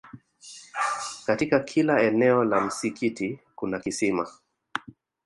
katika kila eneo la msikiti kuna kisima